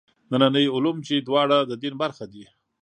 ننني علوم چې دواړه د دین برخه دي.